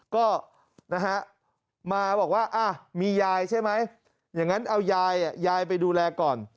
ก็นะฮะมาบอกว่ามียายใช่ไหมอย่างนั้นเอายายยายไปดูแลก่อน